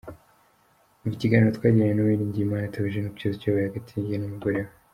Umva ikiganiro twagiranye n'Uwiringiyimana Theogene ku kibazo cyabaye hagati ye n'umugore we.